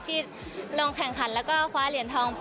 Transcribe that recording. ที่ลงแข่งขันแล้วก็คว้าเหรียญทอง